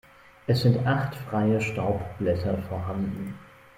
Es sind acht freie Staubblätter vorhanden.